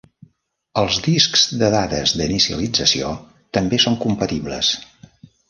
Els discs de dades d'inicialització també són compatibles.